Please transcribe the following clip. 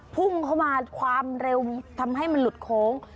พุ่งเข้ามาความเร็วทำให้มันหลุดโค้ง